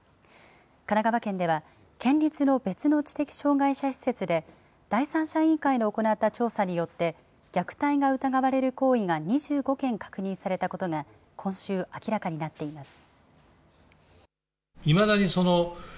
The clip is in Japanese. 神奈川県では、県立の別の知的障害者施設で、第三者委員会の行った調査によって虐待が疑われる行為が２５件確認されたことが今週明らかになっています。